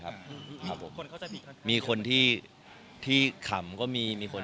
อ่าอ่มมมมจริงมันมีคน